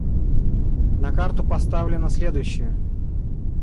На карту поставлено следующее.